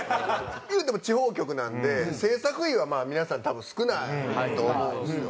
言うても地方局なんで制作費はまあ皆さん多分少ないと思うんですよ。